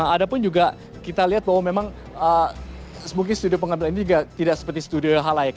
ada pun juga kita lihat bahwa memang mungkin studio pengambilan ini tidak seperti studio halayak